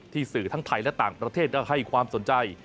สื่อทั้งไทยและต่างประเทศให้ความสนใจ